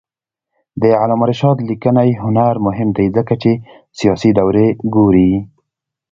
د علامه رشاد لیکنی هنر مهم دی ځکه چې سیاسي دورې ګوري.